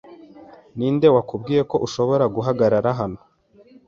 Ninde wakubwiye ko ushobora guhagarara hano?